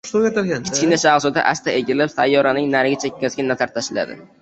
Kichkina shahzoda asta egilib, sayyoraning narigi chekkasiga nazar tashladi.